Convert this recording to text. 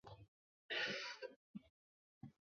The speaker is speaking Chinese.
事件在中国引起强烈反响。